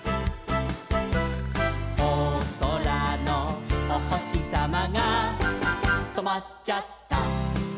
「おそらのおほしさまがとまっちゃった」